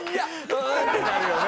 「うん」ってなるよね。